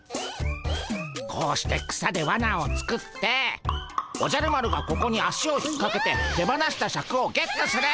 こうして草でわなを作っておじゃる丸がここに足を引っかけて手放したシャクをゲットする。